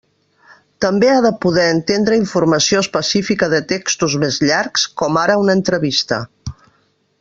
També ha de poder entendre informació específica de textos més llargs, com ara un entrevista.